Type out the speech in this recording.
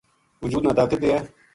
وجود نا طاقت دیئے